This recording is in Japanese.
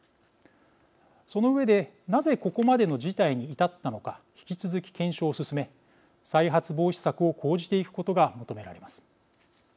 その上でなぜここまでの事態に至ったのか引き続き検証を進め再発防止策を講じていくことが求められます。